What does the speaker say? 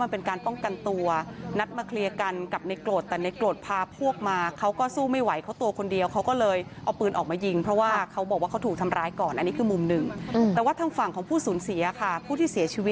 นี่นะคะทางมุมของในนั้นในผวผู้ก่อเหตุเขาก็ยืนยันว่ามันเป็นการป้องกันตัว